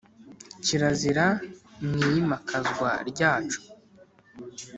Kirazira mu iyimakazwa ryacu